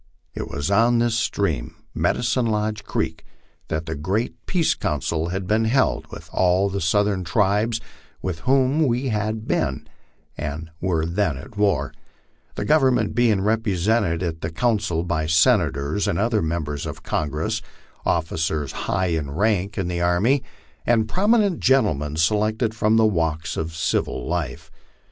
It was on this stream Medicine Lodge creek that the great peace council had been held with all the southern tribes with whom we had been and were then at war, the Government being represented at the coun cil by Senators and other members of Congress, officers high in rank in the army, and prominent gentlemen selected from the walks of civil life.